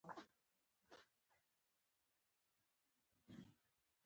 باورونه لکه نه لیدل کېدونکي تارونه دي.